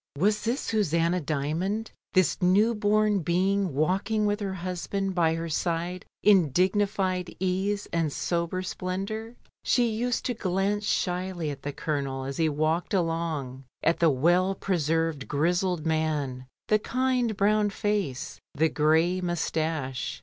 LONDON CITY. 1 47 Was this Susanna Dymond, this new born being walking with her husband by her side in dignified ease and sober splendour? She used to glance shyly at the Colonel as he walked along; at the well preserved grizzled man, the kind brown face, the grey moustache.